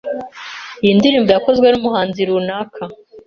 iyi ndirimbo yakozwe n’umuhanzi runaka